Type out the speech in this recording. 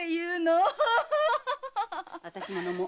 私も飲もう。